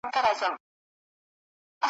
د حلوا به وي محتاجه د خیرات کاسو روزلی ,